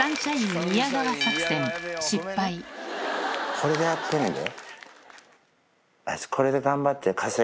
これでやってんねんで。